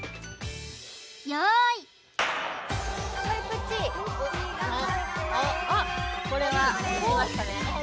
用意あっこれはきましたね